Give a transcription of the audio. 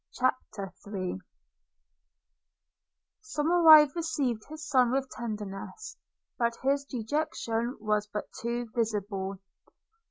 CHAPTER III SOMERIVE received his son with tenderness; but his dejection was but too visible.